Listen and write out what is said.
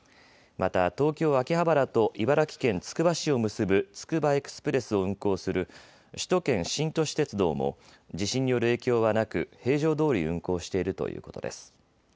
また東京・秋葉原と茨城県つくば市を結ぶつくばエクスプレスを運行する首都圏新都市鉄道も地震による影響はなく平常どおり運行しているということです。